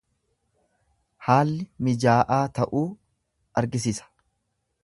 Haalli mijaa'aa ta'uu argisisa.